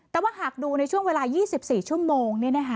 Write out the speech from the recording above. แต่ว่าหากดูในช่วงเวลา๒๔ชั่วโมง